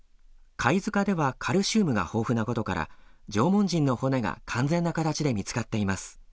貝塚ではカルシウムが豊富なことから縄文人の骨が完全な形で見つかっています。